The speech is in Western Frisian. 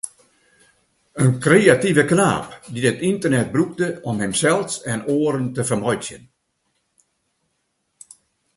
In kreative knaap, dy’t it ynternet brûkte om himsels en oaren te fermeitsjen.